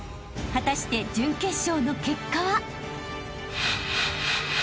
［果たして準決勝の結果は？］